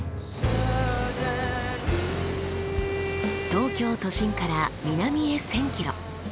東京都心から南へ１，０００キロ。